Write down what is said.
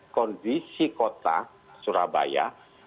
kondisi kota surabaya